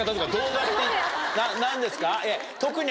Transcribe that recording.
何ですか？